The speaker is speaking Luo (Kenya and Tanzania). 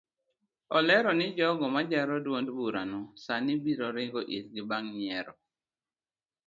Olero ni jogo majaro duond burano sani biro ringo irgi bang yiero.